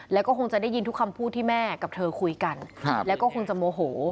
แล้วก็คงจะได้ยินทุกคำพูดที่แม่กับเธอคุยกันแล้วก็คงจะโมโห